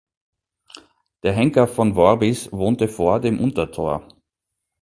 Der Henker von Worbis wohnte vor dem Untertor.